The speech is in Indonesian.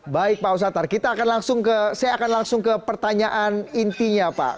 baik pak usatar saya akan langsung ke pertanyaan intinya pak